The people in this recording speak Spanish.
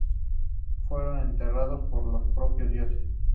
Fueron enterrados por los propios dioses.